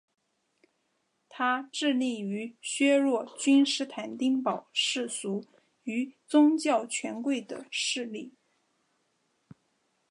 他致力于削弱君士坦丁堡世俗与宗教权贵的势力。